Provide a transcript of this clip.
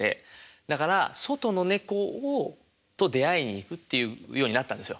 だから外の猫と出会いに行くっていうようになったんですよ。